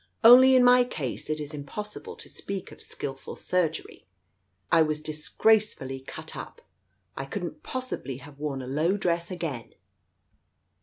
Only in my case it is impos sible to speak of skilful surgery ! I was disgracefully cut up. I couldn't possibly have worn a low dress again